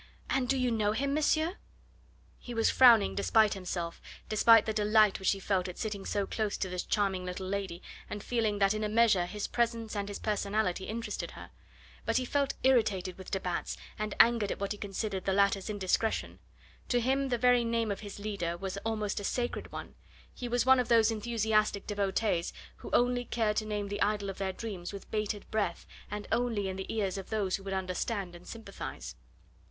"And do you know him, monsieur?" He was frowning despite himself, despite the delight which he felt at sitting so close to this charming little lady, and feeling that in a measure his presence and his personality interested her. But he felt irritated with de Batz, and angered at what he considered the latter's indiscretion. To him the very name of his leader was almost a sacred one; he was one of those enthusiastic devotees who only care to name the idol of their dreams with bated breath, and only in the ears of those who would understand and sympathise.